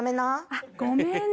あっごめんね。